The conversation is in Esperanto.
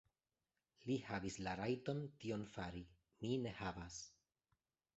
Li havis la rajton tion fari; mi ne havas.